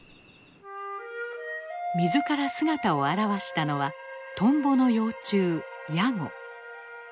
水から姿を現したのはトンボの幼虫ヤゴ。